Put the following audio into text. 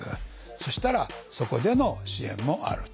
そしたらそこでの支援もあると。